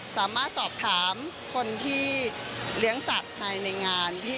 สามารถสอบถามคนที่เลี้ยงสัตว์ภายในงาน